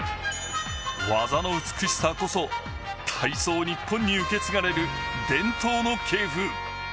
技の美しさこそ体操ニッポンに受け継がれる伝統の系譜。